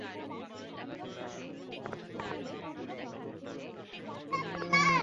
কমিটির সিদ্ধান্ত অনুযায়ী আইয়ুব বাচ্চুকে ফোন করেন বামবা সভাপতি হামিন আহমেদ।